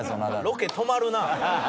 ロケ止まるな。